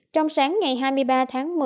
trong sáng ngày hai mươi ba tháng một mươi